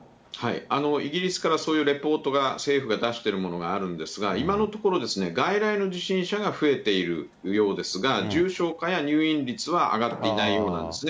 イギリスからそういうレポートが、政府が出しているものがあるんですが、今のところ、外来の受診者が増えているようですが、重症化や入院率は上がっていないようなんですね。